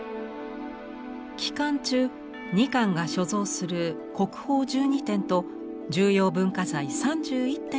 期間中２館が所蔵する国宝１２点と重要文化財３１点が展示されます。